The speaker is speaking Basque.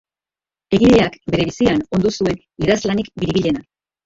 Egileak bere bizian ondu zuen idazlanik biribilena.